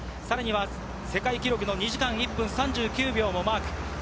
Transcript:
さらには世界記録の２時間１分３９秒をマーク。